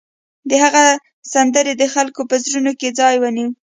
د هغه سندرې د خلکو په زړونو کې ځای ونیو